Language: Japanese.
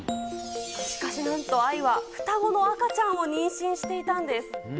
しかしなんとアイは、双子の赤ちゃんを妊娠していたんです。